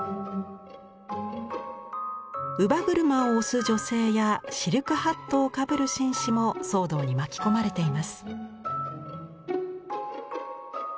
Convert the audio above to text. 乳母車を押す女性やシルクハットをかぶる紳士も騒動に巻き込まれています。